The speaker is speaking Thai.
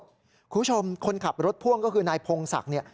คุณผู้ชมคนขับรถพ่วงก็คือนายพงศักดิ์เนี่ย